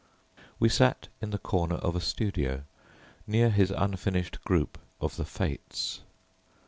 We sat in the corner of a studio near his unfinished group of the "Fates."